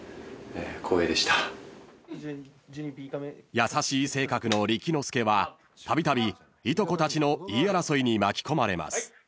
［優しい性格の理紀之助はたびたびいとこたちの言い争いに巻き込まれます］